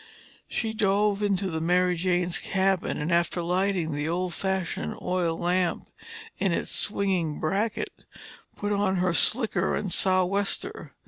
She dove into the Mary Jane's cabin and after lighting the old fashioned oil lamp in its swinging bracket, put on her slicker and sou'wester.